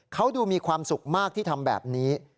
เขาดูมีความสุขมากที่ทำแบบนี้